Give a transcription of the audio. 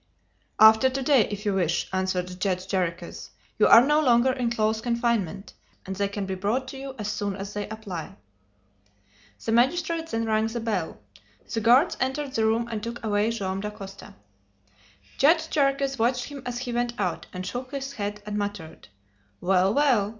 "After to day, if you wish," answered Judge Jarriquez; "you are no longer in close confinement, and they can be brought to you as soon as they apply." The magistrate then rang the bell. The guards entered the room, and took away Joam Dacosta. Judge Jarriquez watched him as he went out, and shook his head and muttered: "Well, well!